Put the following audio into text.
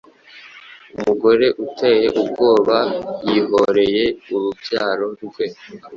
Umugore uteye ubwoba yihoreye urubyaro rwe